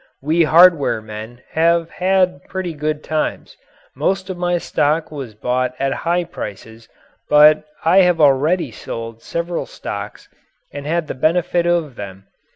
We hardware men have had pretty good times. Most of my stock was bought at high prices, but I have already sold several stocks and had the benefit of them.